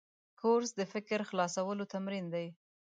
کورس د فکر خلاصولو تمرین دی.